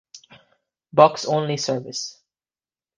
Box only service.